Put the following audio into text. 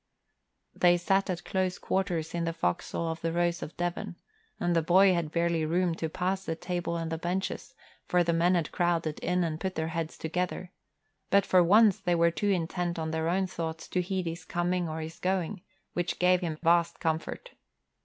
They sat at close quarters in the forecastle of the Rose of Devon, and the boy had barely room to pass the table and the benches, for the men had crowded in and put their heads together; but for once they were too intent on their own thoughts to heed his coming or his going, which gave him vast comfort.